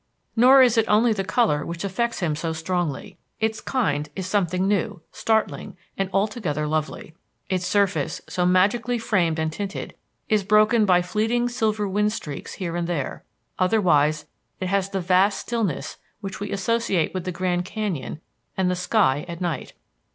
Nor is it only the color which affects him so strongly; its kind is something new, startling, and altogether lovely. Its surface, so magically framed and tinted, is broken by fleeting silver wind streaks here and there; otherwise, it has the vast stillness which we associate with the Grand Canyon and the sky at night.